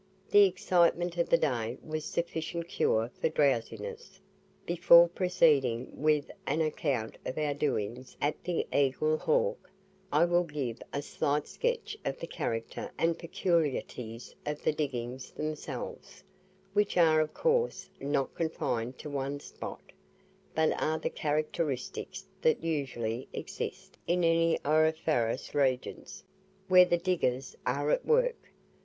The excitement of the day was sufficient cure for drowsiness. Before proceeding with an account of our doings at the Eagle Hawk, I will give a slight sketch of the character and peculiarities of the diggings themselves, which are of course not confined to one spot, but are the characteristics that usually exist in any auriferous regions, where the diggers are at work.